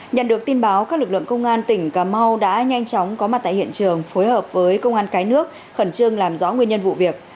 nhận được tin báo các lực lượng công an tỉnh cà mau đã nhanh chóng có mặt tại hiện trường phối hợp với công an cái nước khẩn trương làm rõ nguyên nhân vụ việc